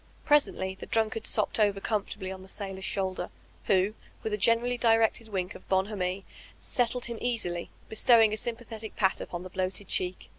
Presently the drunkard sopped over comfortably 00 the sailor's shoulder, who, with a generally directed wink of bonhomie, settled him easily, bestowing a sympathetic pat upon the bloated cheek.